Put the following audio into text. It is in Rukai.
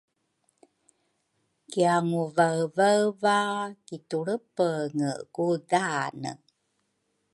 kianguvaevaeva ki tulrepenge ku daane.